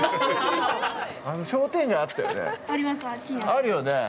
あるよねぇ？